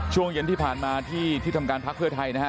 ช่วงเย็นที่ผ่านมาที่ที่ทำการพักเพื่อไทยนะฮะ